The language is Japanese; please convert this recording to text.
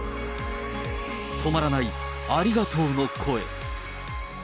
止まらない、ありがとうの声。